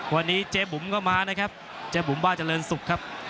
วันนี้เจ๊บุ๋มก็มานะครับเจ๊บุ๋มบ้าเจริญศุกร์ครับ